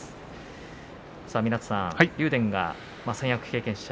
湊さん、竜電は三役経験者。